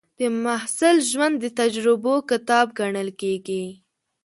د محصل ژوند د تجربو کتاب ګڼل کېږي.